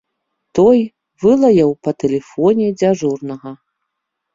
Той вылаяў па тэлефоне дзяжурнага.